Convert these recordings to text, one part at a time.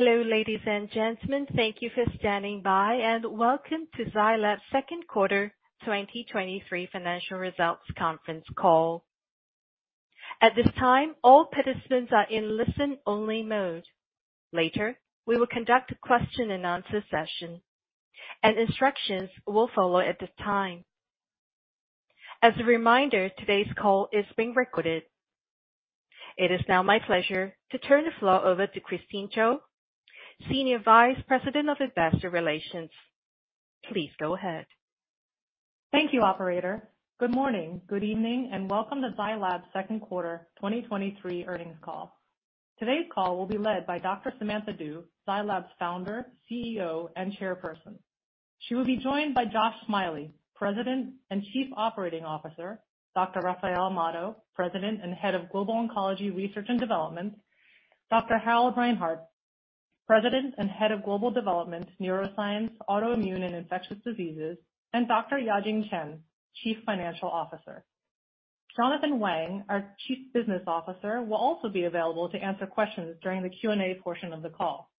Hello, ladies and gentlemen. Thank you for standing by, and welcome to Zai Lab's second quarter 2023 financial results conference call. At this time, all participants are in listen-only mode. Later, we will conduct a question-and-answer session, and instructions will follow at this time. As a reminder, today's call is being recorded. It is now my pleasure to turn the floor over to Christine Chiou, Senior Vice President of Investor Relations. Please go ahead. Thank you, operator. Good morning, good evening, and welcome to Zai Lab's second quarter 2023 earnings call. Today's call will be led by Dr. Samantha Du, Zai Lab's founder, CEO, and Chairperson. She will be joined by Josh Smiley, President and Chief Operating Officer; Dr. Rafael Amado, President and Head of Global Oncology Research and Development; Dr. Harald Reinhart, President and Head of Global Development, Neuroscience, Autoimmune, and Infectious Diseases; and Dr. Yajing Chen, Chief Financial Officer. Jonathan Wang, our Chief Business Officer, will also be available to answer questions during the Q&A portion of the call.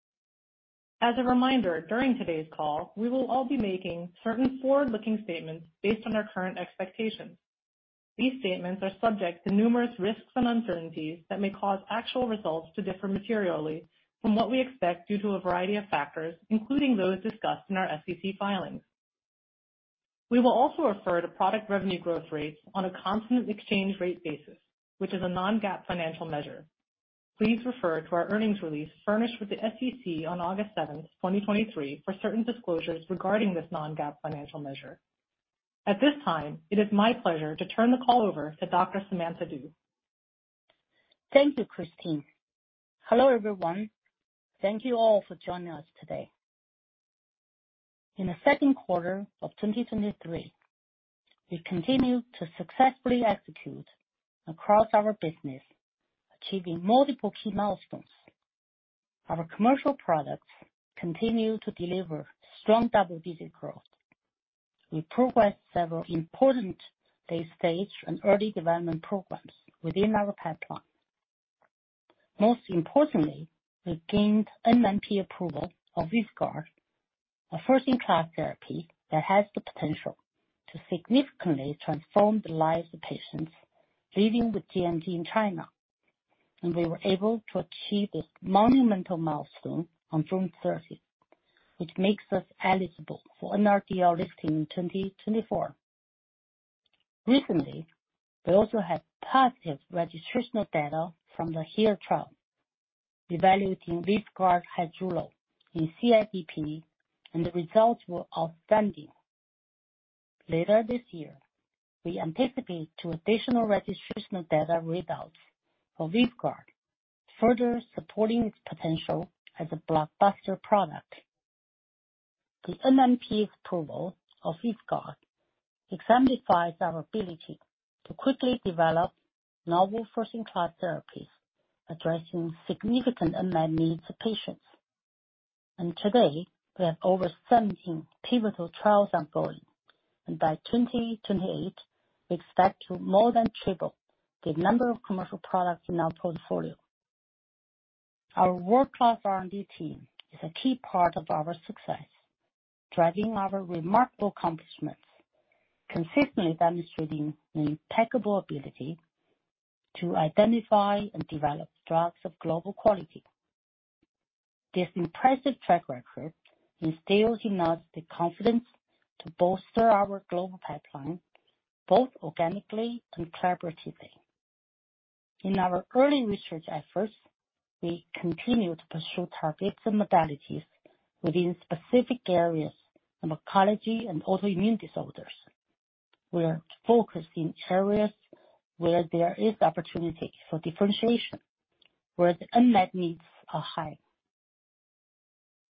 As a reminder, during today's call, we will all be making certain forward-looking statements based on our current expectations. These statements are subject to numerous risks and uncertainties that may cause actual results to differ materially from what we expect due to a variety of factors, including those discussed in our SEC filings. We will also refer to product revenue growth rates on a constant exchange rate basis, which is a non-GAAP financial measure. Please refer to our earnings release furnished with the SEC on August seventh, 2023, for certain disclosures regarding this non-GAAP financial measure. At this time, it is my pleasure to turn the call over to Dr. Samantha Du. Thank you, Christine. Hello, everyone. Thank you all for joining us today. In the second quarter of 2023, we continued to successfully execute across our business, achieving multiple key milestones. Our commercial products continue to deliver strong double-digit growth. We progressed several important late stage and early development programs within our pipeline. Most importantly, we gained NMPA approval of VYVGART, a first-in-class therapy that has the potential to significantly transform the lives of patients living with gMG in China. We were able to achieve this monumental milestone on June 30, which makes us eligible for NRDL listing in 2024. Recently, we also had positive registrational data from the ADHERE trial evaluating VYVGART Hytrulo in CIDP, and the results were outstanding. Later this year, we anticipate 2 additional registrational data readouts for VYVGART, further supporting its potential as a blockbuster product. The NMPA approval of Vespguard exemplifies our ability to quickly develop novel first-in-class therapies, addressing significant unmet needs of patients. Today, we have over 17 pivotal trials ongoing, and by 2028, we expect to more than triple the number of commercial products in our portfolio. Our world-class R&D team is a key part of our success, driving our remarkable accomplishments, consistently demonstrating an impeccable ability to identify and develop drugs of global quality. This impressive track record instills in us the confidence to bolster our global pipeline, both organically and collaboratively. In our early research efforts, we continue to pursue targets and modalities within specific areas of oncology and autoimmune disorders. We are focused in areas where there is opportunity for differentiation, where the unmet needs are high.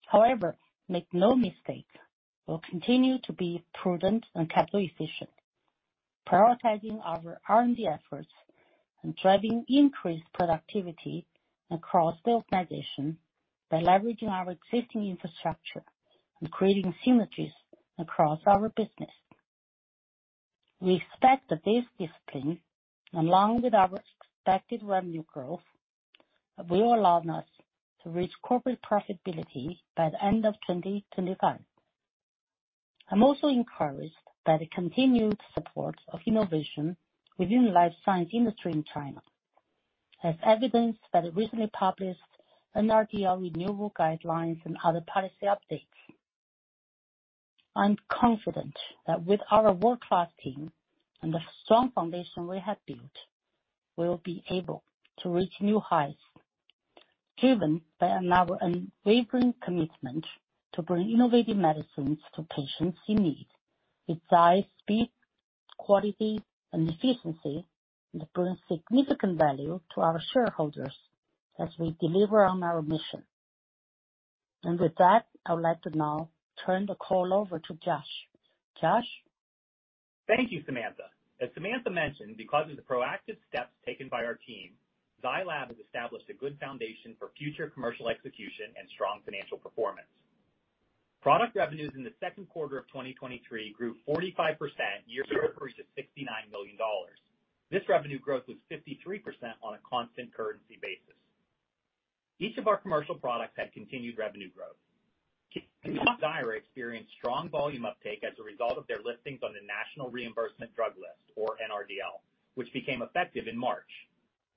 However, make no mistake, we'll continue to be prudent and capital efficient, prioritizing our R&D efforts and driving increased productivity across the organization by leveraging our existing infrastructure and creating synergies across our business. We expect that this discipline, along with our expected revenue growth, will allow us to reach corporate profitability by the end of 2025. I'm also encouraged by the continued support of innovation within the life science industry in China, as evidenced by the recently published NRDL renewal guidelines and other policy updates. I'm confident that with our world-class team and the strong foundation we have built, we will be able to reach new heights, driven by our unwavering commitment to bring innovative medicines to patients in need, with high speed, quality, and efficiency, and bring significant value to our shareholders as we deliver on our mission. With that, I would like to now turn the call over to Josh. Josh? Thank you, Samantha. As Samantha mentioned, because of the proactive steps taken by our team, Zai Lab has established a good foundation for future commercial execution and strong financial performance. Product revenues in the second quarter of 2023 grew 45% year-over-year to $69 million. This revenue growth was 53% on a constant currency basis. Each of our commercial products had continued revenue growth. ZEJULA experienced strong volume uptake as a result of their listings on the National Reimbursement Drug List, or NRDL, which became effective in March.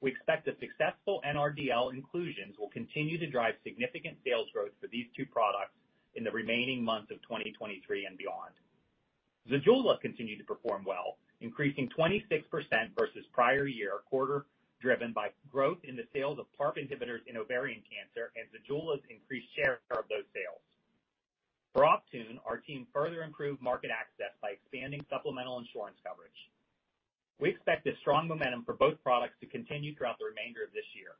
We expect the successful NRDL inclusions will continue to drive significant sales growth for these two products in the remaining months of 2023 and beyond. ZEJULA continued to perform well, increasing 26% versus prior year quarter, driven by growth in the sales of PARP inhibitors in ovarian cancer and ZEJULA's increased share of those sales. For Optune, our team further improved market access by expanding supplemental insurance coverage. We expect a strong momentum for both products to continue throughout the remainder of this year.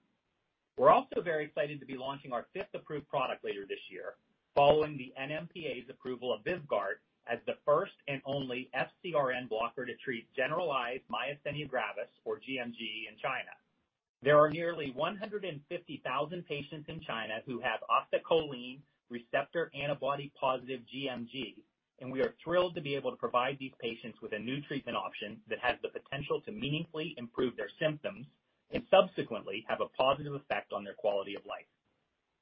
We're also very excited to be launching our fifth approved product later this year, following the NMPA's approval of VYVGART as the first and only FcRn blocker to treat generalized myasthenia gravis, or gMG, in China. There are nearly 150,000 patients in China who have acetylcholine receptor antibody positive gMG, and we are thrilled to be able to provide these patients with a new treatment option that has the potential to meaningfully improve their symptoms and subsequently have a positive effect on their quality of life.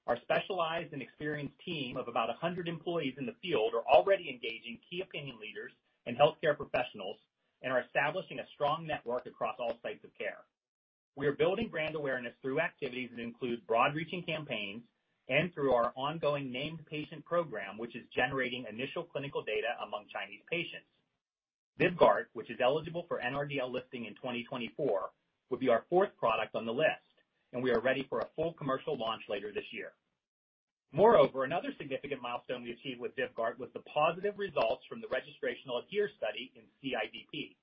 Our specialized and experienced team of about 100 employees in the field are already engaging key opinion leaders and healthcare professionals and are establishing a strong network across all sites of care. We are building brand awareness through activities that include broad-reaching campaigns and through our ongoing Named Patient program, which is generating initial clinical data among Chinese patients. VYVGART, which is eligible for NRDL listing in 2024, will be our fourth product on the list, and we are ready for a full commercial launch later this year. Moreover, another significant milestone we achieved with VYVGART was the positive results from the registrational ADHERE study in CIDP.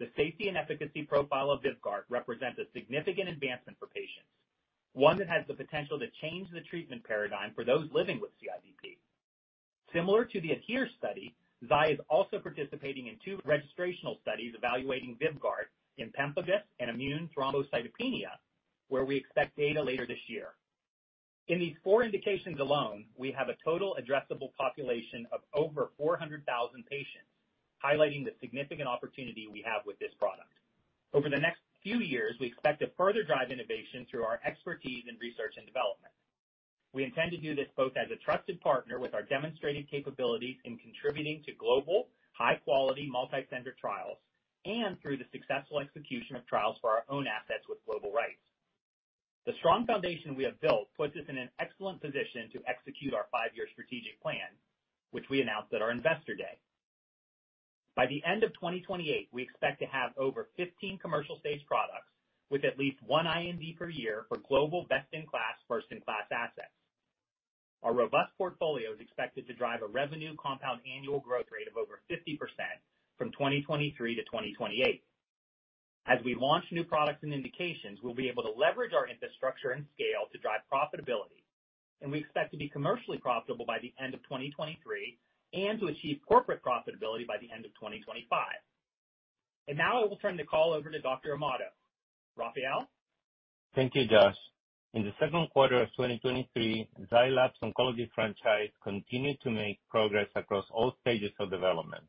The safety and efficacy profile of VYVGART represents a significant advancement for patients, one that has the potential to change the treatment paradigm for those living with CIDP. Similar to the ADHERE study, Zai is also participating in two registrational studies evaluating VYVGART in pemphigus and immune thrombocytopenia, where we expect data later this year. In these four indications alone, we have a total addressable population of over 400,000 patients, highlighting the significant opportunity we have with this product. Over the next few years, we expect to further drive innovation through our expertise in research and development. We intend to do this both as a trusted partner with our demonstrated capabilities in contributing to global, high-quality, multicenter trials, and through the successful execution of trials for our own assets with global rights. The strong foundation we have built puts us in an an excellent position to execute our five-year strategic plan, which we announced at our Investor Day. By the end of 2028, we expect to have over 15 commercial-stage products with at least one IND per year for global, best-in-class, first-in-class assets. Our robust portfolio is expected to drive a revenue compound annual growth rate of over 50% from 2023 to 2028. As we launch new products and indications, we'll be able to leverage our infrastructure and scale to drive profitability, and we expect to be commercially profitable by the end of 2023, and to achieve corporate profitability by the end of 2025. Now I will turn the call over to Dr. Amado. Rafael? Thank you, Josh. In the second quarter of 2023, Zai Lab's oncology franchise continued to make progress across all stages of development.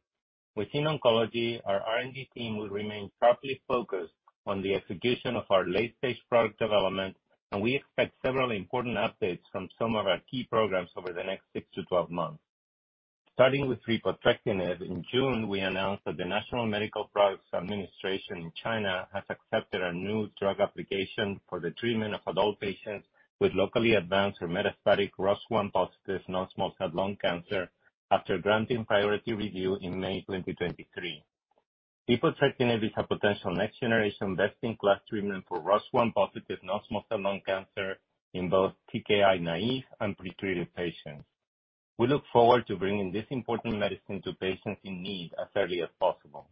Within oncology, our R&D team will remain sharply focused on the execution of our late-stage product development, and we expect several important updates from some of our key programs over the next 6-12 months. Starting with repotrectinib in June, we announced that the National Medical Products Administration in China has accepted a new drug application for the treatment of adult patients with locally advanced or metastatic ROS1-positive non-small cell lung cancer after granting priority review in May 2023. Repotrectinib is a potential next-generation, best-in-class treatment for ROS1-positive non-small cell lung cancer in both TKI naive and pretreated patients. We look forward to bringing this important medicine to patients in need as early as possible.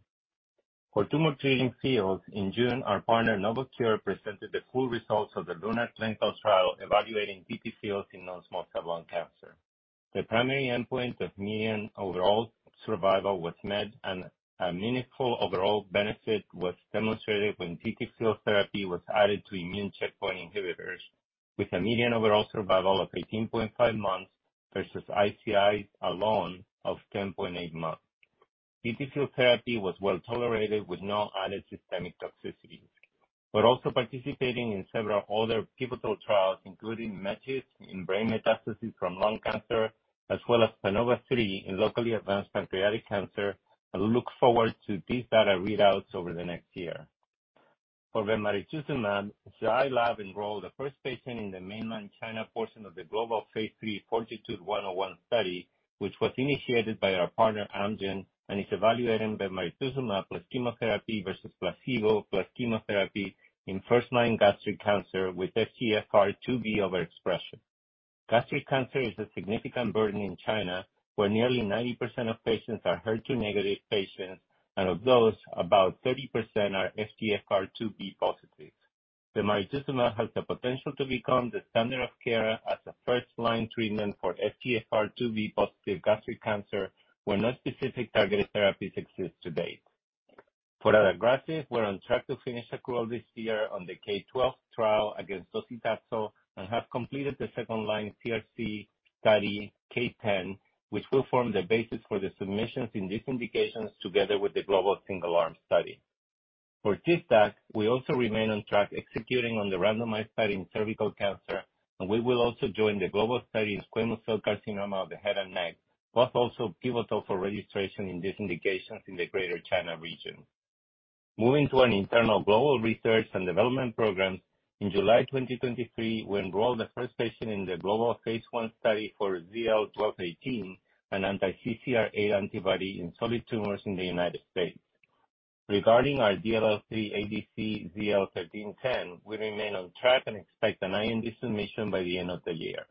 For Tumor Treating Fields, in June, our partner, Novocure, presented the full results of the LUNAR clinical trial evaluating TTFields in non-small cell lung cancer. The primary endpoint of median overall survival was met, and a meaningful overall benefit was demonstrated when TTField therapy was added to immune checkpoint inhibitors, with a median overall survival of 18.5 months versus ICI alone of 10.8 months. TTField therapy was well tolerated with no added systemic toxicities. We're also participating in several other pivotal trials, including METIS in brain metastases from lung cancer, as well as PANOVA-3 in locally advanced pancreatic cancer, and look forward to these data readouts over the next year. For bemarituzumab, Zai Lab enrolled the first patient in the mainland China portion of the global Phase 3 FORTITUDE-101 study, which was initiated by our partner Amgen, and is evaluating bemarituzumab plus chemotherapy versus placebo plus chemotherapy in first-line gastric cancer with FGFR2b overexpression. Gastric cancer is a significant burden in China, where nearly 90% of patients are HER2-negative patients, and of those, about 30% are FGFR2b positive. Bemarituzumab has the potential to become the standard of care as a first-line treatment for FGFR2b-positive gastric cancer, where no specific targeted therapies exist to date.... For Adagrasib, we're on track to finish the trial this year on the KRYSTAL-12 trial against docetaxel, and have completed the second-line CRC study, KRYSTAL-10, which will form the basis for the submissions in these indications, together with the global single-arm study. For TIVDAK, we also remain on track, executing on the randomized study in cervical cancer. We will also join the global study in squamous cell carcinoma of the head and neck, both also pivotal for registration in these indications in the Greater China region. Moving to an internal global research and development programs, in July 2023, we enrolled the first patient in the global phase 1 study for ZL-1218, an anti-CCR8 antibody in solid tumors in the United States. Regarding our DLL3 ADC, ZL-1310, we remain on track and expect an IND submission by the end of the year.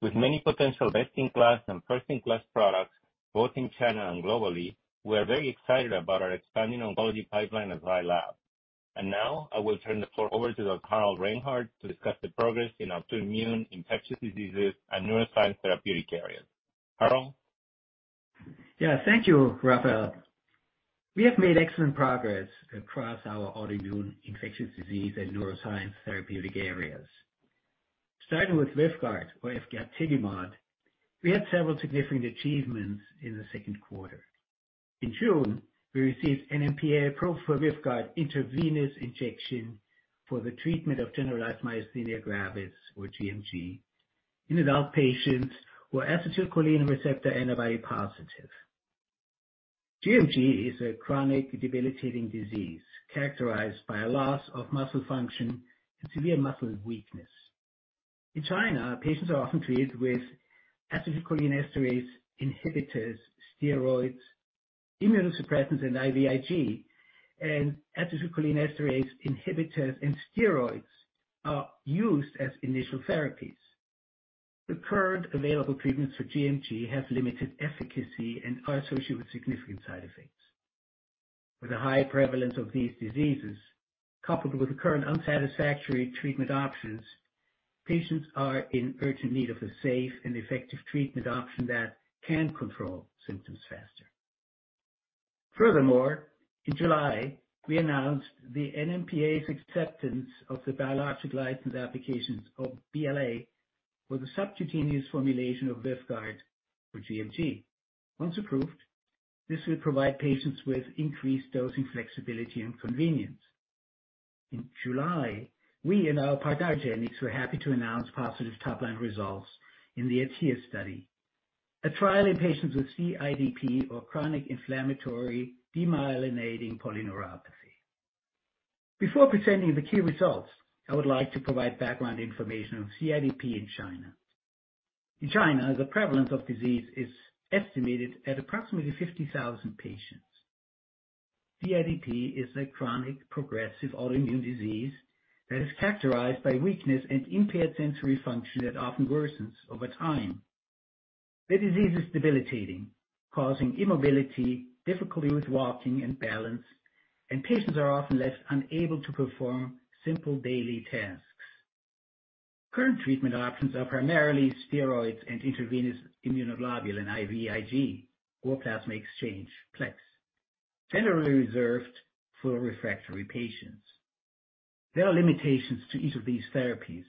With many potential best-in-class and first-in-class products, both in China and globally, we are very excited about our expanding oncology pipeline at Zai Lab. Now, I will turn the floor over to Harald Reinhart, to discuss the progress in autoimmune, infectious diseases, and neuroscience therapeutic areas. Harald? Yeah, thank you, Rafael Amado. We have made excellent progress across our autoimmune, infectious disease, and neuroscience therapeutic areas. Starting with VYVGART or efgartigimod, we had several significant achievements in the 2nd quarter. In June, we received NMPA approval for VYVGART intravenous injection for the treatment of generalized myasthenia gravis, or gMG, in adult patients who are acetylcholine receptor antibody positive. gMG is a chronic debilitating disease characterized by a loss of muscle function and severe muscle weakness. In China, patients are often treated with acetylcholinesterase inhibitors, steroids, immunosuppressants, and IVIG, and acetylcholinesterase inhibitors and steroids are used as initial therapies. The current available treatments for gMG have limited efficacy and are associated with significant side effects. With a high prevalence of these diseases, coupled with the current unsatisfactory treatment options, patients are in urgent need of a safe and effective treatment option that can control symptoms faster. Furthermore, in July, we announced the NMPA's acceptance of the biologic license applications, or BLA, for the subcutaneous formulation of VYVGART Hytrulo for gMG. Once approved, this will provide patients with increased dosing flexibility and convenience. In July, we and our partner, argenx, were happy to announce positive top-line results in the ADHERE study, a trial in patients with CIDP or chronic inflammatory demyelinating polyneuropathy. Before presenting the key results, I would like to provide background information on CIDP in China. In China, the prevalence of disease is estimated at approximately 50,000 patients. CIDP is a chronic progressive autoimmune disease that is characterized by weakness and impaired sensory function that often worsens over time. The disease is debilitating, causing immobility, difficulty with walking and balance, and patients are often left unable to perform simple daily tasks. Current treatment options are primarily steroids and intravenous immunoglobulin, IVIG, or plasma exchange, PLEX, generally reserved for refractory patients. There are limitations to each of these therapies,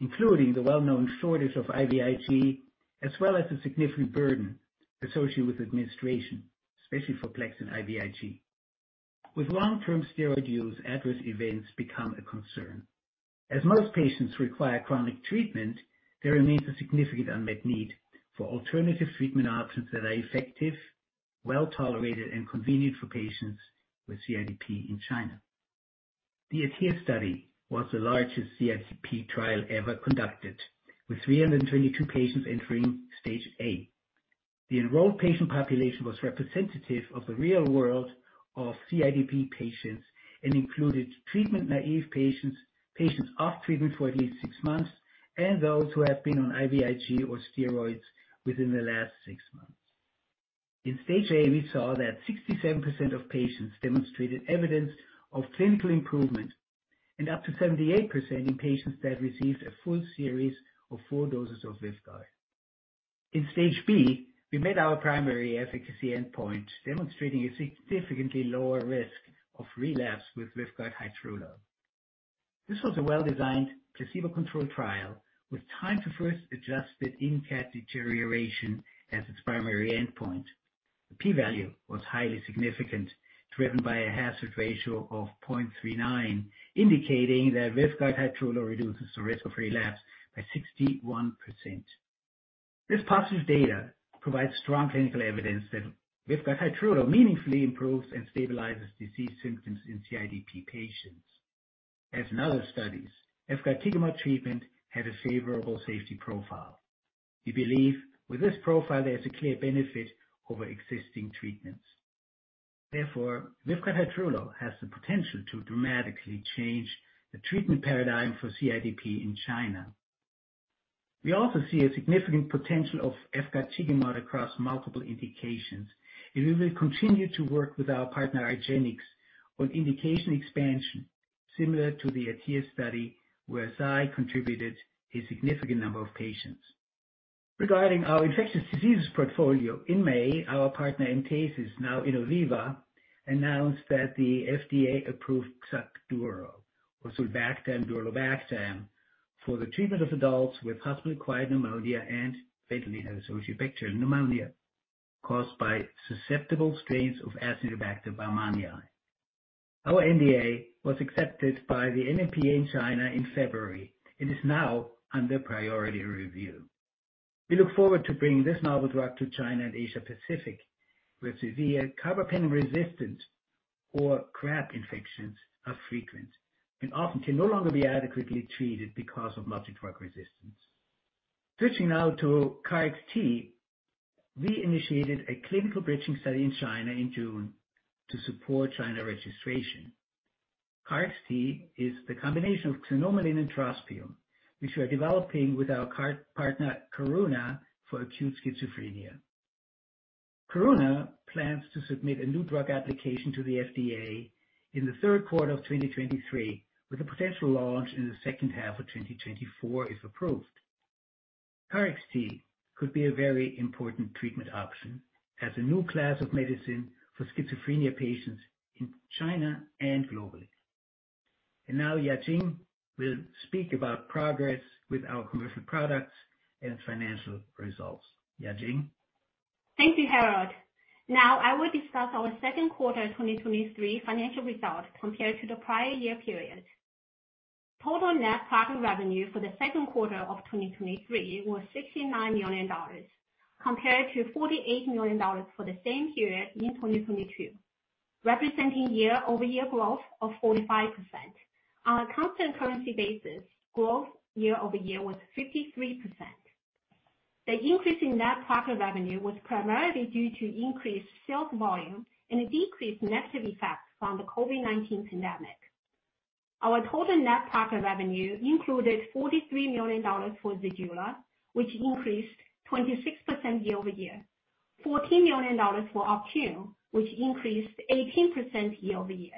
including the well-known shortage of IVIG, as well as the significant burden associated with administration, especially for PLEX and IVIG. With long-term steroid use, adverse events become a concern. As most patients require chronic treatment, there remains a significant unmet need for alternative treatment options that are effective, well-tolerated, and convenient for patients with CIDP in China. The ATIA study was the largest CIDP trial ever conducted, with 322 patients entering stage A. The enrolled patient population was representative of the real world of CIDP patients and included treatment-naive patients, patients off treatment for at least six months, and those who have been on IVIG or steroids within the last six months. In stage A, we saw that 67% of patients demonstrated evidence of clinical improvement, up to 78% in patients that received a full series of 4 doses of VYVGART. In stage B, we made our primary efficacy endpoint, demonstrating a significantly lower risk of relapse with VYVGART Hytrulo. This was a well-designed, placebo-controlled trial, with time to first adjusted INCAT deterioration as its primary endpoint. The P value was highly significant, driven by a hazard ratio of 0.39, indicating that VYVGART Hytrulo reduces the risk of relapse by 61%. This positive data provides strong clinical evidence that VYVGART Hytrulo meaningfully improves and stabilizes disease symptoms in CIDP patients. As in other studies, efgartigimod treatment had a favorable safety profile. We believe with this profile, there's a clear benefit over existing treatments. VYVGART Hytrulo has the potential to dramatically change the treatment paradigm for CIDP in China. We also see a significant potential of efgartigimod across multiple indications, and we will continue to work with our partner, argenx, on indication expansion, similar to the ADHERE study, where Zai contributed a significant number of patients. Regarding our infectious diseases portfolio, in May, our partner, Entasis, now Innoviva, announced that the FDA approved XACDURO, sulbactam-durlobactam, for the treatment of adults with hospital-acquired pneumonia and ventilator-associated pneumonia caused by susceptible strains of Acinetobacter baumannii. Our NDA was accepted by the NMPA in China in February and is now under priority review. We look forward to bringing this novel drug to China and Asia Pacific, where severe carbapenem-resistant, or CRAB, infections are frequent and often can no longer be adequately treated because of multi-drug resistance. Switching now to KarXT, we initiated a clinical bridging study in China in June to support China registration. KarXT is the combination of xanomeline and trospium, which we're developing with our partner Karuna for acute schizophrenia. Karuna plans to submit a new drug application to the FDA in the third quarter of 2023, with a potential launch in the second half of 2024, if approved. KarXT could be a very important treatment option as a new class of medicine for schizophrenia patients in China and globally. Now, Yajing will speak about progress with our commercial products and financial results. Yajing? Thank you, Harald. Now I will discuss our second quarter 2023 financial results compared to the prior year period. Total net product revenue for the second quarter of 2023 was $69 million, compared to $48 million for the same period in 2022, representing year-over-year growth of 45%. On a constant currency basis, growth year-over-year was 53%. The increase in net product revenue was primarily due to increased sales volume and a decreased negative effect from the COVID-19 pandemic. Our total net product revenue included $43 million for ZEJULA, which increased 26% year-over-year, $14 million for Optune, which increased 18% year-over-year,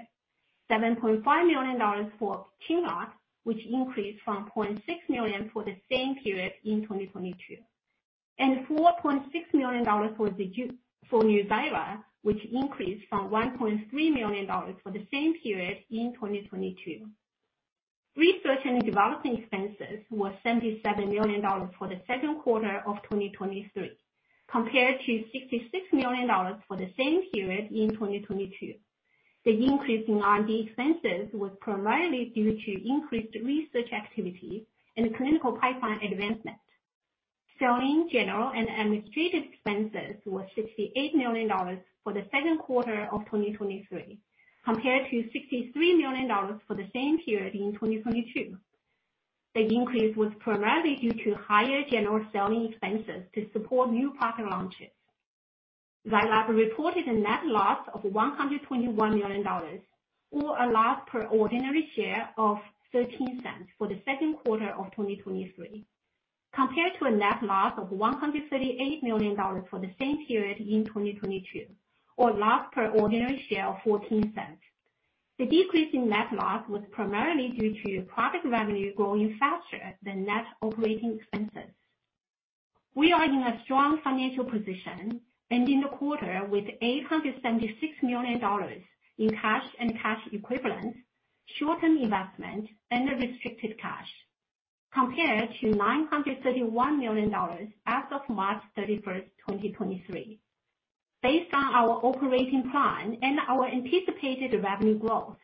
$7.5 million for QINLOCK, which increased from $0.6 million for the same period in 2022, and $4.6 million for NUZYRA, which increased from $1.3 million for the same period in 2022. Research and development expenses were $77 million for the second quarter of 2023, compared to $66 million for the same period in 2022. The increase in R&D expenses was primarily due to increased research activity and clinical pipeline advancement. Selling, general, and administrative expenses were $68 million for the second quarter of 2023, compared to $63 million for the same period in 2022. The increase was primarily due to higher general selling expenses to support new product launches. Zai Lab reported a net loss of $121 million, or a loss per ordinary share of $0.13 for the second quarter of 2023, compared to a net loss of $138 million for the same period in 2022, or a loss per ordinary share of $0.14. The decrease in net loss was primarily due to product revenue growing faster than net operating expenses. We are in a strong financial position, ending the quarter with $876 million in cash and cash equivalents, short-term investment, and restricted cash, compared to $931 million as of March 31st, 2023. Based on our operating plan and our anticipated revenue growth,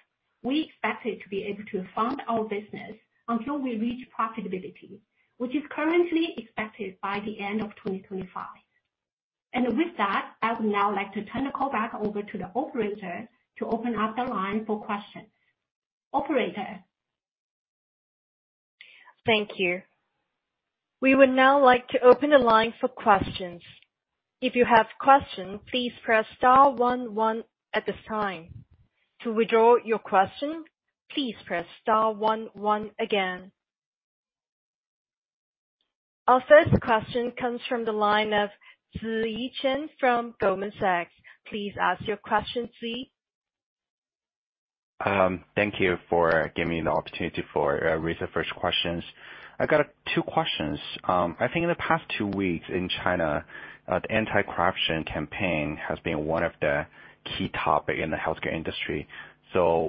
we expect to be able to fund our business until we reach profitability, which is currently expected by the end of 2025. With that, I would now like to turn the call back over to the operator to open up the line for questions. Operator? Thank you. We would now like to open the line for questions. If you have questions, please press star one one at this time. To withdraw your question, please press star one one again. Our first question comes from the line of Ziyi Chen from Goldman Sachs. Please ask your question, Ziyi. Thank you for giving me the opportunity for raise the first questions. I got 2 questions. I think in the past 2 weeks in China, the anti-corruption campaign has been one of the key topic in the healthcare industry.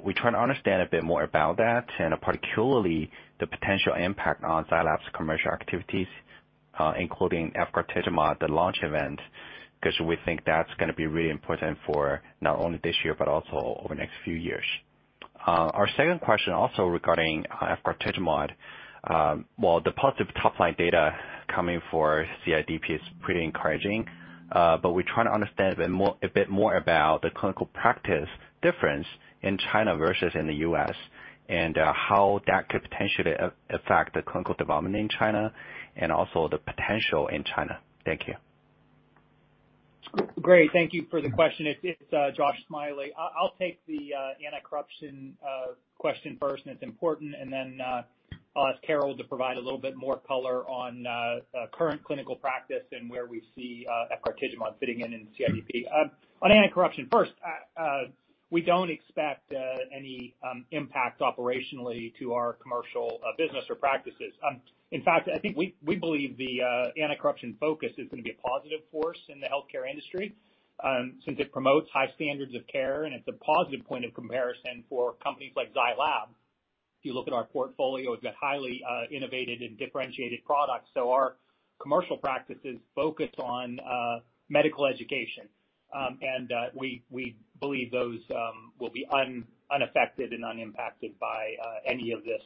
We try to understand a bit more about that, and particularly the potential impact on Zai Lab's commercial activities, including efgartigimod, the launch event, 'cause we think that's gonna be really important for not only this year, but also over the next few years. Our second question, also regarding efgartigimod. While the positive top-line data coming for CIDP is pretty encouraging, we're trying to understand a bit more, a bit more about the clinical practice difference in China versus in the U.S., and how that could potentially affect the clinical development in China and also the potential in China. Thank you. Great. Thank you for the question. It's Josh Smiley. I'll take the anti-corruption question first, and it's important, and then. I'll ask Harald to provide a little bit more color on current clinical practice and where we see efgartigimod fitting in, in CIDP. On anti-corruption, first, we don't expect any impact operationally to our commercial business or practices. In fact, I think we, we believe the anti-corruption focus is gonna be a positive force in the healthcare industry, since it promotes high standards of care, and it's a positive point of comparison for companies like Zai Lab. If you look at our portfolio, it's a highly innovative and differentiated product, so our commercial practices focus on medical education. We, we believe those will be unaffected and unimpacted by any of this,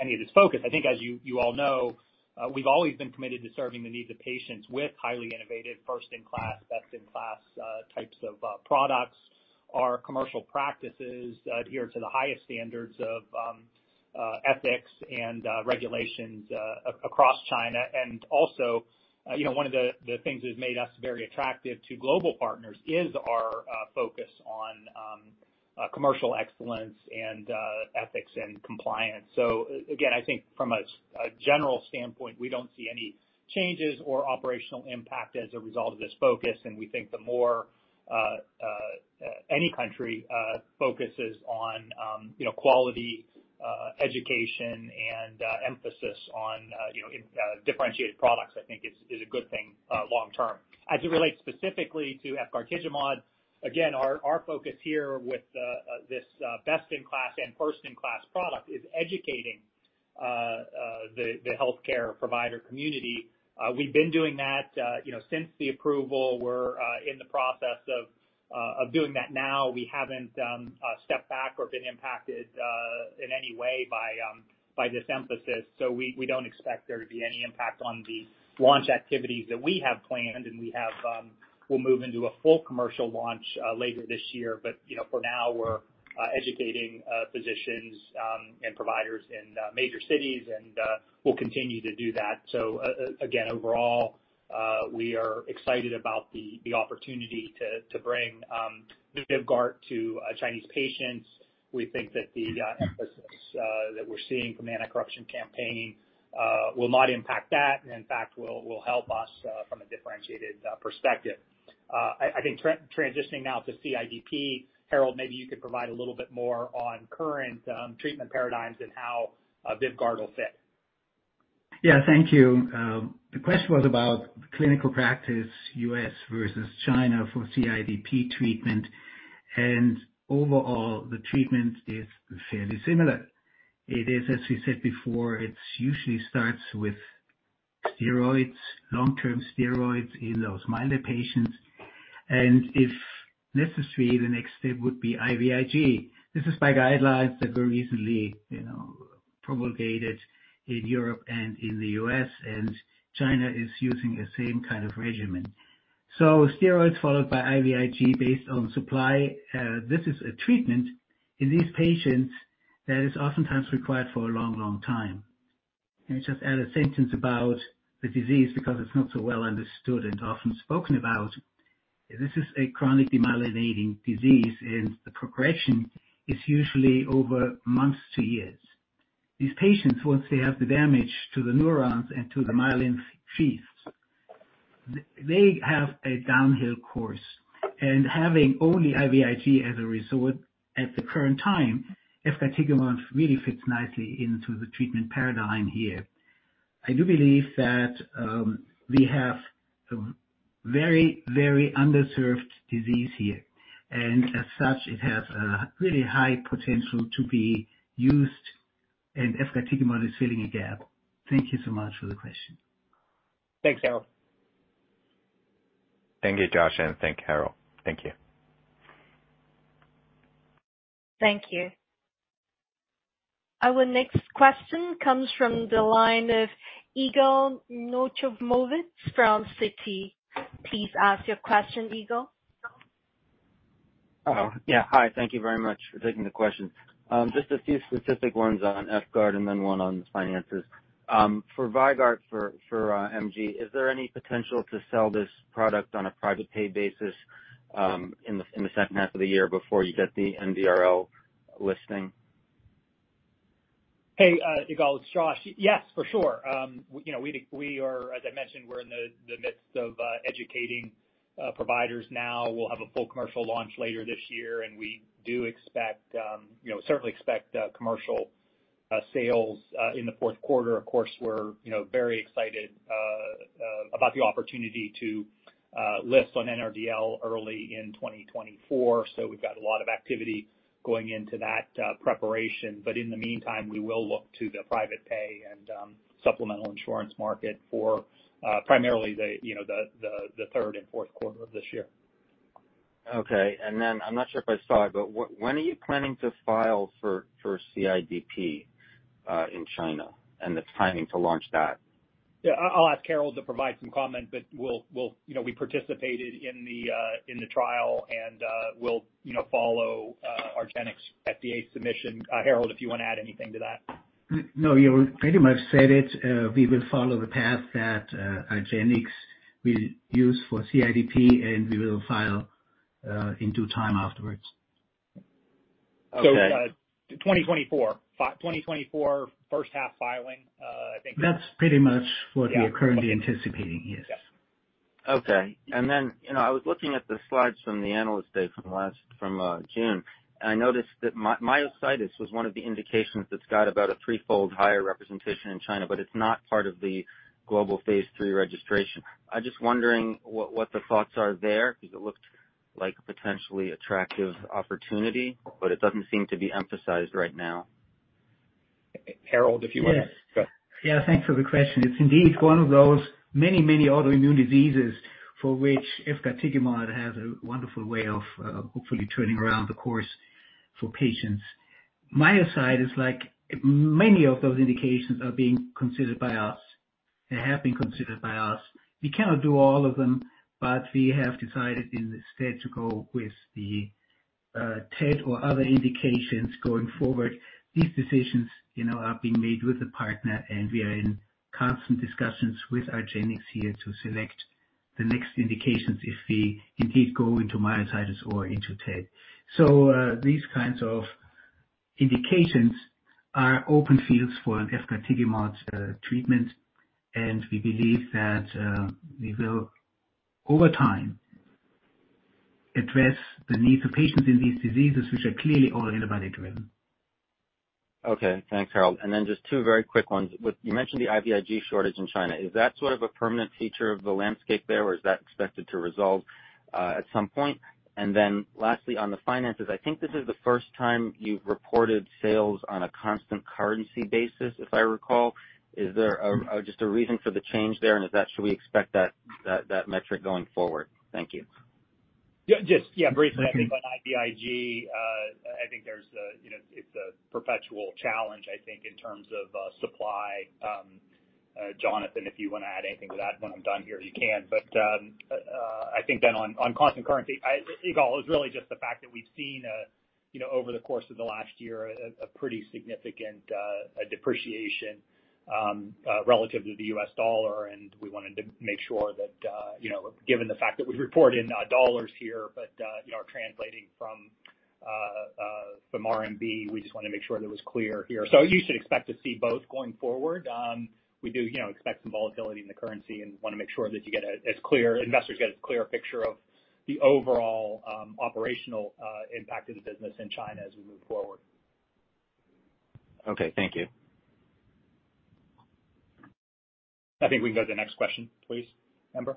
any of this focus. I think, as you, you all know, we've always been committed to serving the needs of patients with highly innovative, first-in-class, best-in-class, types of products. Our commercial practices adhere to the highest standards of ethics and regulations across China. Also, you know, one of the things that has made us very attractive to global partners is our focus on commercial excellence and ethics and compliance. Again, I think from a general standpoint, we don't see any changes or operational impact as a result of this focus, and we think the more any country focuses on, you know, quality, education, and emphasis on, you know, differentiated products, I think is, is a good thing long term. As it relates specifically to efgartigimod, again, our focus here with this best-in-class and first-in-class product is educating the healthcare provider community. We've been doing that, you know, since the approval. We're in the process of doing that now. We haven't stepped back or been impacted in any way by this emphasis. We don't expect there to be any impact on the launch activities that we have planned, and we have, we'll move into a full commercial launch later this year. You know, for now, we're educating physicians and providers in major cities, and we'll continue to do that. Again, overall, we are excited about the opportunity to bring VYVGART to Chinese patients. We think that the emphasis that we're seeing from the anti-corruption campaign will not impact that, and in fact, will, will help us from a differentiated perspective. I think transitioning now to CIDP, Harald, maybe you could provide a little bit more on current treatment paradigms and how Vyvgart will fit? Yeah. Thank you. The question was about clinical practice, U.S. versus China, for CIDP treatment. Overall, the treatment is fairly similar. It is, as we said before, it usually starts with steroids, long-term steroids in those milder patients. If necessary, the next step would be IVIG. This is by guidelines that were recently, you know, promulgated in Europe and in the U.S. China is using the same kind of regimen. Steroids followed by IVIG based on supply. This is a treatment in these patients that is oftentimes required for a long, long time. Let me just add a sentence about the disease, because it's not so well understood and often spoken about. This is a chronic demyelinating disease. The progression is usually over months to years. These patients, once they have the damage to the neurons and to the myelin sheaths, they have a downhill course, and having only IVIG as a resort at the current time, efgartigimod really fits nicely into the treatment paradigm here. I do believe that we have a very, very underserved disease here, and as such, it has a really high potential to be used, and efgartigimod is filling a gap. Thank you so much for the question. Thanks, Harald. Thank you, Josh, and thank Harald. Thank you. Thank you. Our next question comes from the line of Yigal Nochomovitz from Citi. Please ask your question, Yigal. Yeah, hi. Thank you very much for taking the question. Just a few specific ones on VYVGART and then one on finances. For VYVGART, for, for gMG, is there any potential to sell this product on a private pay basis in the second half of the year before you get the NRDL listing? Hey, Yigal, it's Josh. Yes, for sure. You know, we are, as I mentioned, we're in the midst of educating providers now. We'll have a full commercial launch later this year, and we do expect, you know, certainly expect commercial sales in the 4th quarter. Of course, we're, you know, very excited about the opportunity to list on NRDL early in 2024. We've got a lot of activity going into that preparation, but in the meantime, we will look to the private pay and supplemental insurance market for primarily the, you know, the 3rd and 4th quarter of this year. Okay. I'm not sure if I saw it, but when are you planning to file for, for CIDP in China, and the timing to launch that? Yeah, I'll ask Harold to provide some comment, but we'll, we'll, you know, we participated in the trial and we'll, you know, follow argenx's FDA submission. Harald, if you wanna add anything to that? No, you pretty much said it. We will follow the path that argenx will use for CIDP, and we will file in due time afterwards.... So, 2024, 2024, first half filing, I think. That's pretty much what- Yeah We are currently anticipating, yes. Yeah. Okay. Then, you know, I was looking at the slides from the analyst day from last, from June. I noticed that my- myositis was one of the indications that's got about a threefold higher representation in China, but it's not part of the global phase 3 registration. I'm just wondering what, what the thoughts are there, because it looked like a potentially attractive opportunity, but it doesn't seem to be emphasized right now. Harald, if you want to- Yes. Go. Yeah, thanks for the question. It's indeed one of those many, many autoimmune diseases for which efgartigimod has a wonderful way of hopefully turning around the course for patients. Myositis, like many of those indications, are being considered by us and have been considered by us. We cannot do all of them, but we have decided in this state to go with the TED or other indications going forward. These decisions, you know, are being made with the partner, and we are in constant discussions with argenx here to select the next indications if we indeed go into myositis or into TED. These kinds of indications are open fields for an efgartigimod treatment, and we believe that we will, over time, address the needs of patients in these diseases, which are clearly all antibody-driven. Okay. Thanks, Harald. Then just two very quick ones. With- you mentioned the IVIG shortage in China. Is that sort of a permanent feature of the landscape there, or is that expected to resolve at some point? Then lastly, on the finances, I think this is the first time you've reported sales on a constant currency basis, if I recall. Is there just a reason for the change there, and is that, should we expect that, that, that metric going forward? Thank you. Just, yeah, briefly. I think on IVIG, I think there's a, you know, it's a perpetual challenge, I think, in terms of supply. Jonathan, if you want to add anything to that when I'm done here, you can. I think then on, on constant currency, Yigal, it was really just the fact that we've seen a, you know, over the course of the last year, a pretty significant depreciation relative to the U.S. dollar, and we wanted to make sure that, you know, given the fact that we report in dollars here, but, you know, are translating from RMB, we just wanted to make sure that it was clear here. You should expect to see both going forward. We do, you know, expect some volatility in the currency and want to make sure that you get a, as clear, investors get a clear picture of the overall, operational impact of the business in China as we move forward. Okay, thank you. I think we can go to the next question, please, Amber.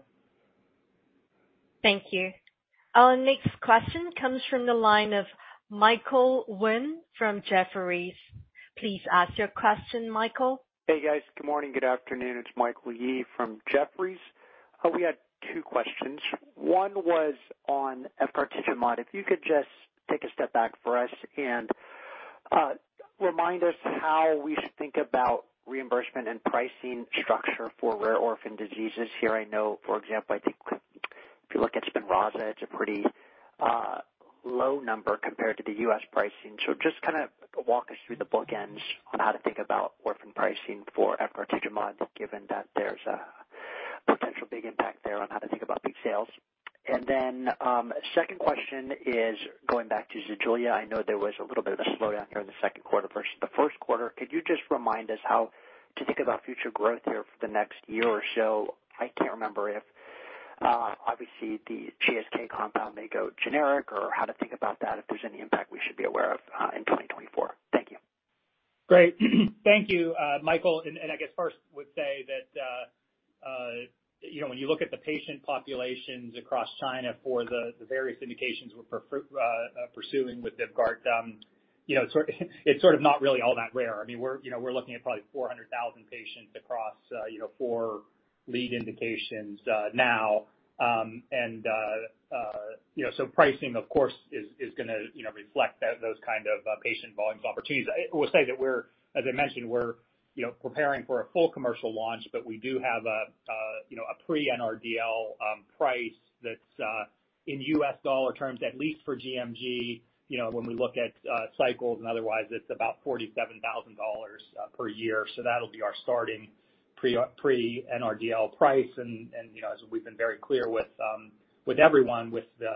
Thank you. Our next question comes from the line of Michael Yee from Jefferies. Please ask your question, Michael. Hey, guys. Good morning, good afternoon. It's Michael Yee from Jefferies. We had two questions. One was on efgartigimod. If you could just take a step back for us and remind us how we should think about reimbursement and pricing structure for rare orphan diseases here. I know, for example, I think if you look at Spinraza, it's a pretty low number compared to the U.S. pricing. Just kind of walk us through the bookends on how to think about orphan pricing for efgartigimod, given that there's a potential big impact there on how to think about peak sales. Second question is going back to ZEJULA. I know there was a little bit of a slowdown here in the second quarter versus the first quarter. Could you just remind us how to think about future growth here for the next year or so? I can't remember if, obviously, the GSK compound may go generic or how to think about that, if there's any impact we should be aware of, in 2024. Thank you. Great. Thank you, Michael, I guess first would say that, you know, when you look at the patient populations across China for the various indications we're pursuing with VYVGART, you know, sort of, it's sort of not really all that rare. I mean, we're, you know, we're looking at probably 400,000 patients across, you know, four lead indications now. You know, so pricing, of course, is, is gonna, you know, reflect that, those kind of, patient volumes opportunities. I will say that we're, as I mentioned, we're, you know, preparing for a full commercial launch, but we do have a, a, you know, a pre-NRDL price that's in US dollar terms, at least for gMG. You know, when we look at cycles and otherwise, it's about $47,000 per year, so that'll be our starting pre-NRDL price. And, you know, as we've been very clear with everyone, with the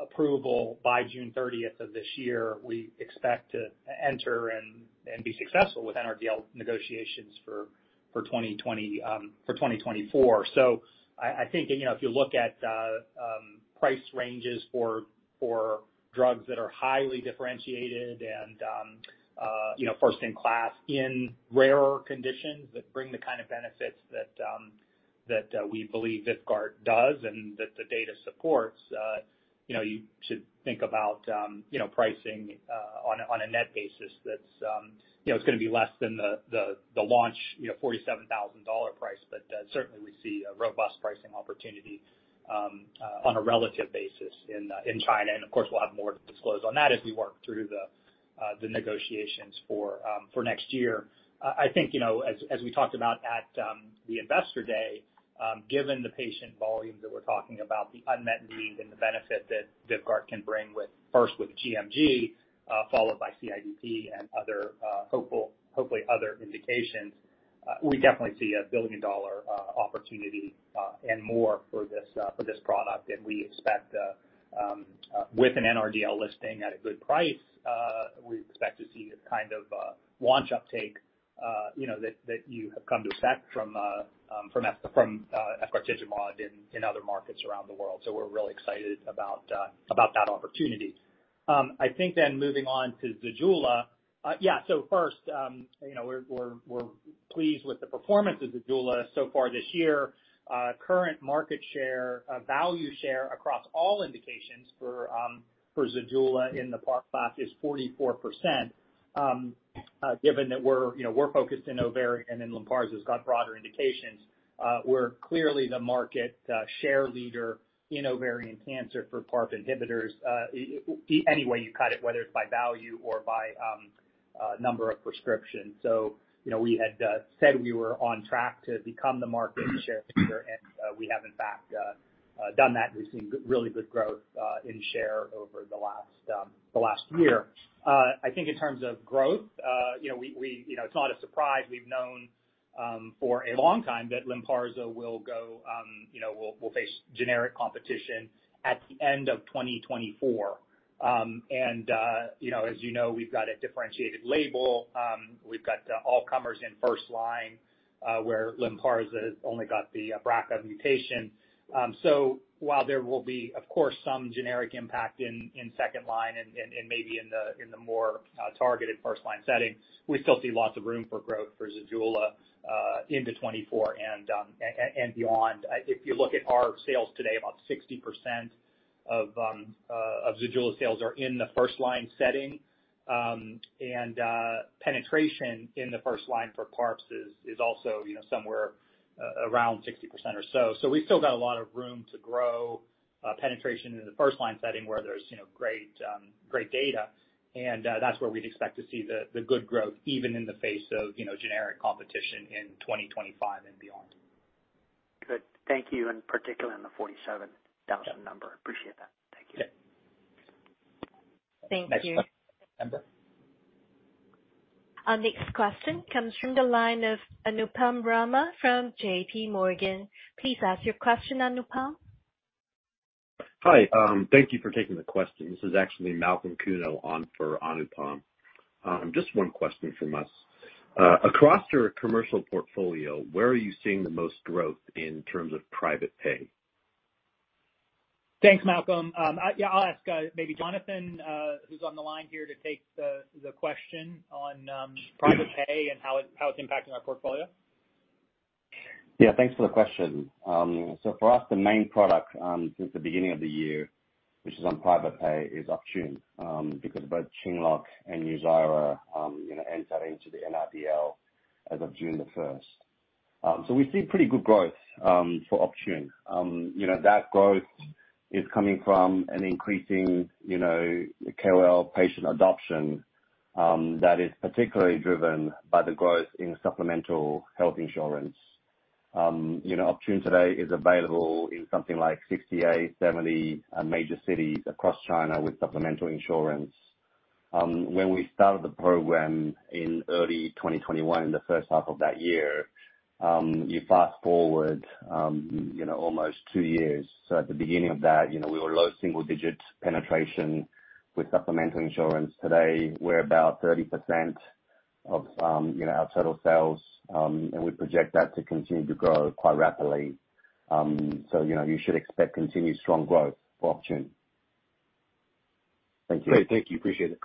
approval by June 30th of this year, we expect to enter and be successful with NRDL negotiations for 2020, for 2024. I, I think, you know, if you look at price ranges for, for drugs that are highly differentiated and, you know, first in class, in rarer conditions that bring the kind of benefits that we believe VYVGART does and that the data supports, you know, you should think about, you know, pricing on a, on a net basis that's, you know, it's gonna be less than the, the, the launch, you know, $47,000 price. Certainly we see a robust pricing opportunity on a relative basis in China. Of course, we'll have more to disclose on that as we work through the negotiations for next year. I think, you know, as, as we talked about at the Investor Day, given the patient volumes that we're talking about, the unmet need and the benefit that VYVGART can bring with, first with gMG, followed by CIDP and other hopefully other indications, we definitely see a $1 billion opportunity and more for this product. We expect with an NRDL listing at a good price, we expect to see the kind of launch uptake, you know, that you have come to expect from from repotrectinib in other markets around the world. We're really excited about that opportunity. I think moving on to ZEJULA. Yeah, so first, you know, we're, we're, we're pleased with the performance of ZEJULA so far this year. Current market share, value share across all indications for ZEJULA in the PARP class is 44%. Given that we're, you know, we're focused in ovarian and in Lynparza's got broader indications, we're clearly the market share leader in ovarian cancer for PARP inhibitors, any way you cut it, whether it's by value or by number of prescriptions. You know, we had said we were on track to become the market share leader, and we have in fact done that. We've seen really good growth in share over the last the last year. I think in terms of growth, you know, we, you know, it's not a surprise, we've known for a long time that Lynparza will go, you know, will, will face generic competition at the end of 2024. You know, as you know, we've got a differentiated label. We've got all comers in first line, where Lynparza has only got the BRCA mutation. So while there will be, of course, some generic impact in, in second line and, and, and maybe in the, in the more, targeted first line setting, we still see lots of room for growth for ZEJULA, into 2024 and beyond. If you look at our sales today, about 60% of ZEJULA sales are in the first line setting. Penetration in the first line for PARPs is also somewhere around 60% or so. We've still got a lot of room to grow penetration in the first line setting, where there's great great data. That's where we'd expect to see the good growth, even in the face of generic competition in 2025 and beyond. Good. Thank you. Particularly on the $47,000 number. Yeah. Appreciate that. Thank you. Yeah. Thank you. Next question, Amber? Our next question comes from the line of Anupam Rama from JP Morgan. Please ask your question, Anupam. Hi, thank you for taking the question. This is actually Malcolm Kuno on for Anupam. Just one question from us. Across your commercial portfolio, where are you seeing the most growth in terms of private pay? Thanks, Malcolm. Yeah, I'll ask, maybe Jonathan, who's on the line here, to take the question on private pay and how it, how it's impacting our portfolio. Yeah, thanks for the question. For us, the main product, since the beginning of the year, which is on private pay, is Optune, because both QINLOCK and NUZYRA, you know, entered into the NRDL as of June 1st. We see pretty good growth for Optune. You know, that growth is coming from an increasing, you know, KOL patient adoption, that is particularly driven by the growth in supplemental health insurance. You know, Optune today is available in something like 68, 70 major cities across China with supplemental insurance. When we started the program in early 2021, in the first half of that year, you fast-forward, you know, almost two years. At the beginning of that, you know, we were low single digits penetration with supplemental insurance. Today, we're about 30% of, you know, our total sales. We project that to continue to grow quite rapidly. You know, you should expect continued strong growth for Optune. Thank you. Great. Thank you. Appreciate it.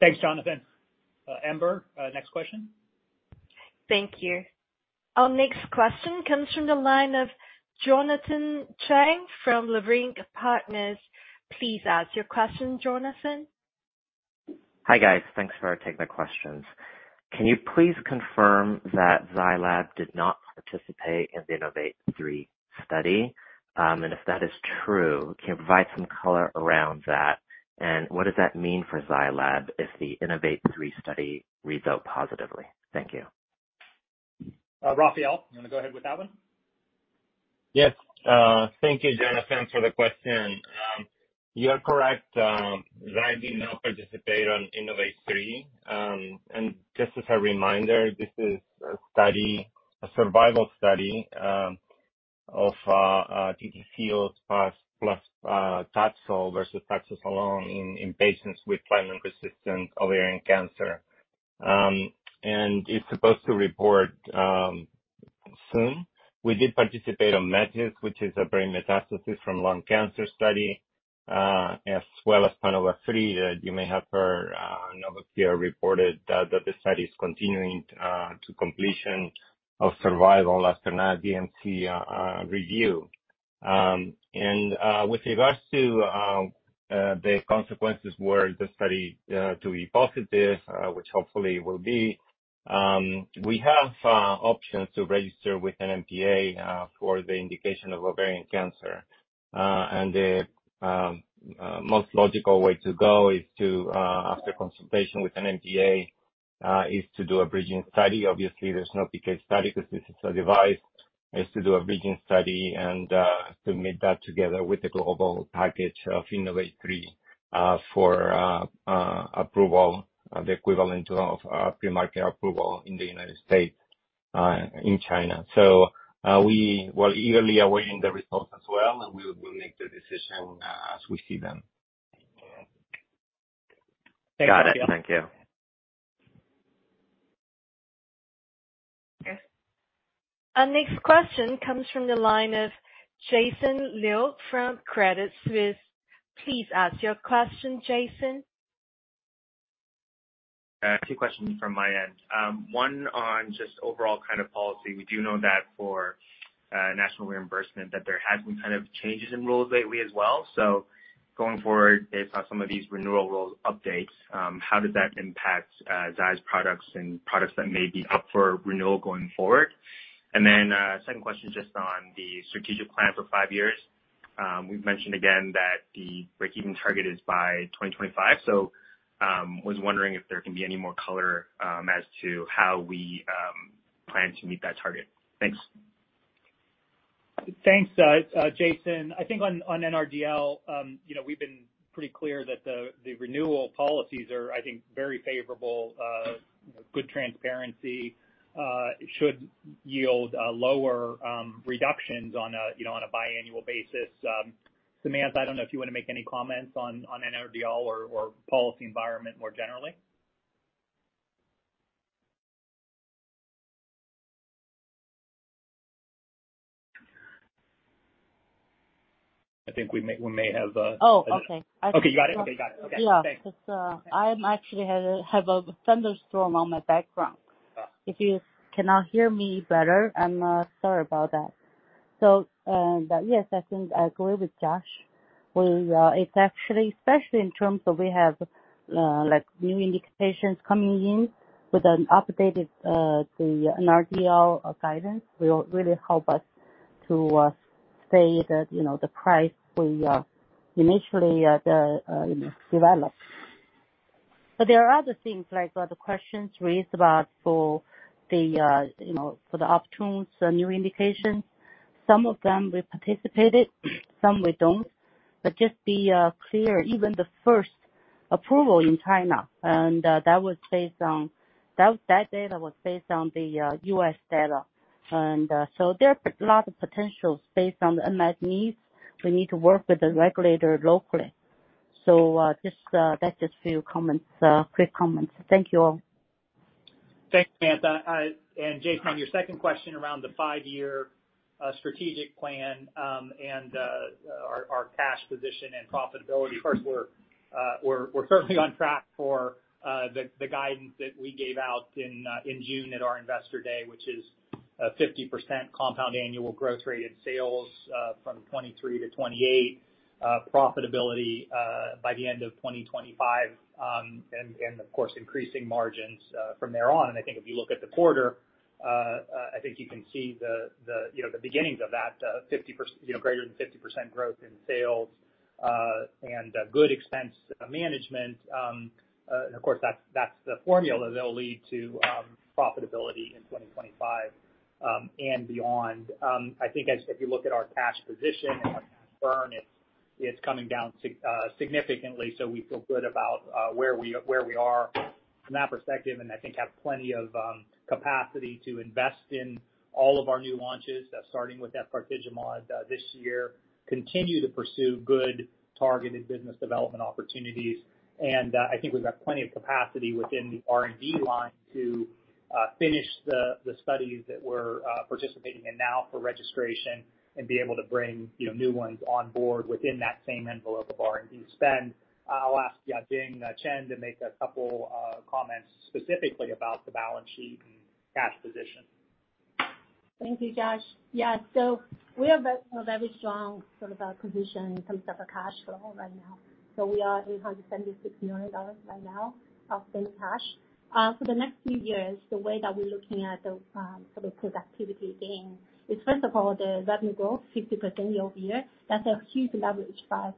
Thanks, Jonathan. Amber, next question? Thank you. Our next question comes from the line of Jonathan Chang, from Leerink Partners. Please ask your question, Jonathan. Hi, guys. Thanks for taking the questions. Can you please confirm that Zai Lab did not participate in the INNOVATE-3 study? If that is true, can you provide some color around that, and what does that mean for Zai Lab if the INNOVATE-3 study reads out positively? Thank you. Rafael, you want to go ahead with that one? Yes. Thank you, Jonathan, for the question. You are correct, Zai did not participate on INNOVATE-3. Just as a reminder, this is a study, a survival study, of TTFields plus Taxol versus Taxol alone in patients with platinum-resistant ovarian cancer. It's supposed to report soon. We did participate on METIS, which is a brain metastasis from lung cancer study, as well as PANOVA-3, you may have heard, Novocure reported that the study is continuing to completion of survival after an DMC review. With regards to the consequences, were the study to be positive, which hopefully will be, we have options to register with an NDA for the indication of ovarian cancer. The most logical way to go is to after consultation with an NDA, is to do a bridging study. Obviously, there's no P.K. study, because this is a device. Is to do a reading study and submit that together with the global package of INNOVATE-3, for approval, the equivalent of pre-market approval in the United States, in China. We were eagerly awaiting the results as well, and we will make the decision as we see them. Got it. Thank you. Okay. Our next question comes from the line of Jason Liu from Credit Suisse. Please ask your question, Jason. Two questions from my end. One on just overall kind of policy. We do know that for national reimbursement, that there has been kind of changes in rules lately as well. Going forward, based on some of these renewal rules updates, how does that impact Zai Lab's products and products that may be up for renewal going forward? Then, second question, just on the strategic plan for 5 years. We've mentioned again that the breakeven target is by 2025, so was wondering if there can be any more color as to how we plan to meet that target. Thanks. Thanks, Jason. I think on NRDL, you know, we've been pretty clear that the renewal policies are, I think, very favorable, good transparency, should yield lower reductions on a, you know, on a biannual basis. Samantha, I don't know if you want to make any comments on NRDL or policy environment more generally? I think we may have. Oh, okay. Okay, you got it. Okay, got it. Okay. Yeah. Thanks. 'Cause, I'm actually have a, have a thunderstorm on my background. If you cannot hear me better, I'm sorry about that. But yes, I think I agree with Josh. We, it's actually, especially in terms of we have, like new indications coming in with an updated, the NRDL guidance, will really help us to say that, you know, the price we initially, you know, developed. There are other things like, the questions raised about for the, you know, for the opportunities, the new indications. Some of them we participated, some we don't. Just to be clear, even the first approval in China, and that was based on... That, that data was based on the U.S. data. There are a lot of potentials based on the unmet needs. We need to work with the regulator locally. Just, that's just a few comments, quick comments. Thank you all. Thanks, Samantha. Jason, on your second question around the five-year strategic plan, and our cash position and profitability, of course, we're we're we're certainly on track for the guidance that we gave out in June at our Investor Day, which is 50% compound annual growth rate in sales from 2023 to 2028, profitability by the end of 2025. Of course, increasing margins from there on. I think if you look at the quarter, I think you can see the, the, you know, the beginnings of that 50%, you know, greater than 50% growth in sales, and good expense management. Of course, that's, that's the formula that will lead to profitability in 2025, and beyond. I think as, if you look at our cash position, our cash burn, it's, it's coming down significantly, so we feel good about where we, where we are from that perspective, and I think have plenty of capacity to invest in all of our new launches, starting with efgartigimod this year, continue to pursue good targeted business development opportunities. I think we've got plenty of capacity within the R&D line to finish the, the studies that we're participating in now for registration and be able to bring, you know, new ones on board within that same envelope of R&D spend. I'll ask Yajing Chen to make a couple comments specifically about the balance sheet and cash position. Thank you, Josh. Yeah, we have a very strong sort of position in terms of our cash flow right now. We are $876 million right now of in cash. The next few years, the way that we're looking at the sort of productivity gain, is first of all, the revenue growth, 50% year-over-year. That's a huge leverage for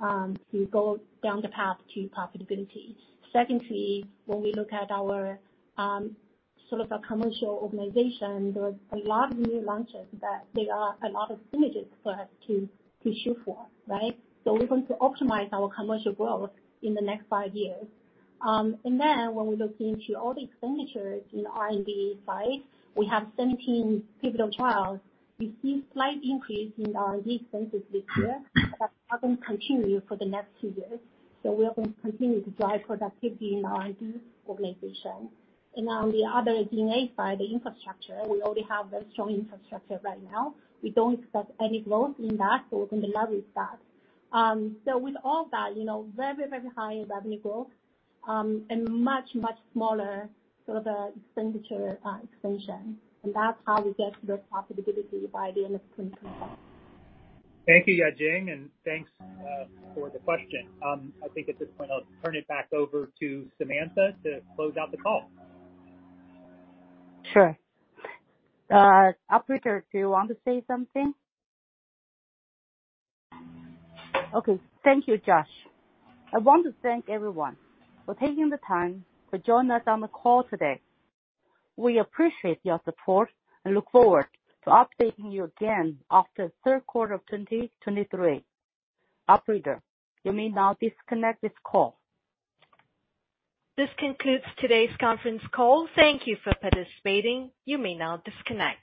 us to go down the path to profitability. Secondly, when we look at our sort of a commercial organization, there are a lot of new launches that there are a lot of images for us to shoot for, right? We want to optimize our commercial growth in the next five years. When we look into all the expenditures in the R&D side, we have 17 pivotal trials. We see slight increase in R&D expenses this year, but that will continue for the next two years. We are going to continue to drive productivity in R&D organization. On the other DNA side, the infrastructure, we already have a strong infrastructure right now. We don't expect any growth in that, so we're going to leverage that. With all that, you know, very, very high revenue growth, and much, much smaller sort of expenditure, expansion, and that's how we get to the profitability by the end of 2025. Thank you, Yajing, and thanks for the question. I think at this point I'll turn it back over to Samantha to close out the call. Sure. operator, do you want to say something? Okay. Thank you, Josh. I want to thank everyone for taking the time to join us on the call today. We appreciate your support and look forward to updating you again after the third quarter of 2023. Operator, you may now disconnect this call. This concludes today's conference call. Thank you for participating. You may now disconnect.